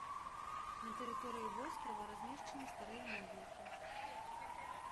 На тэрыторыі вострава размешчаны старыя могілкі.